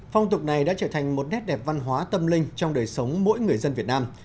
phong tục này đã trở thành một nét đẹp văn hóa tâm linh trong đời sống mỗi người dân việt nam